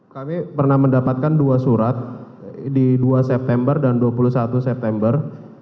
kami pernah mendapatkan dua surat di dua september dan dua puluh satu september